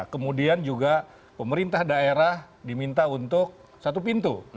kemudian juga pemerintah daerah diminta untuk satu pintu